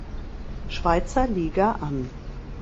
Schweizer Liga an.